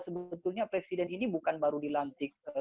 sebetulnya presiden ini bukan baru dilantik